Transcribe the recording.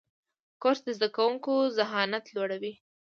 کورس د زده کوونکو ذهانت لوړوي.